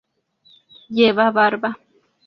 Lleva barba.